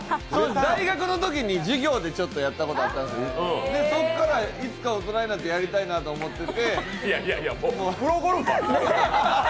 大学のときに授業でちょっとやったことがあったんですがそっからいつか大人になったらやりたいなと思ってて。